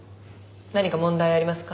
何か問題ありますか？